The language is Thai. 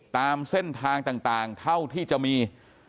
ตามเส้นทางต่างเท่าที่จะมี